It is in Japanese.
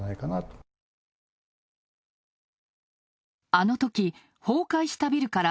あのとき、崩壊したビルから